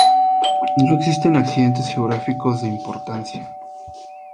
No existen accidentes geográficos de importancia.